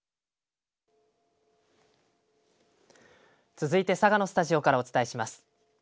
続いて佐賀のスタジオからお伝えします。